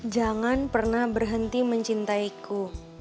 jangan pernah berhenti mencintaiku